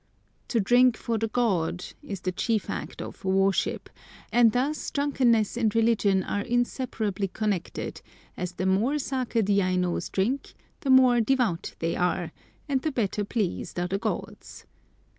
"To drink for the god" is the chief act of "worship," and thus drunkenness and religion are inseparably connected, as the more saké the Ainos drink the more devout they are, and the better pleased are the gods.